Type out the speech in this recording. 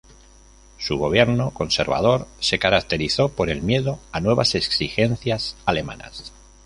Su Gobierno, conservador, se caracterizó por el miedo a nuevas exigencias alemanas.